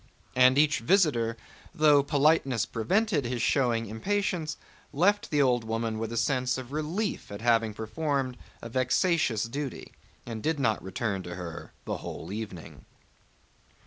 And each visitor, though politeness prevented his showing impatience, left the old woman with a sense of relief at having performed a vexatious duty and did not return to her the whole evening.